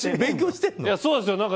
そうですよ！